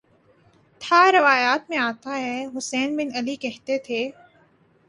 تھا روایات میں آتا ہے حسین بن علی کہتے تھے